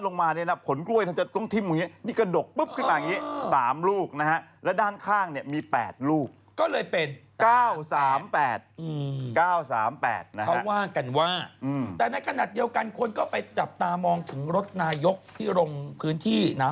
ก็แน่นายกไปที่อำเภอบ้านหนาเดิมแล้วก็อำเภอเขียงสานนะครับแล้วก็อำเภอคุณพิณฑ์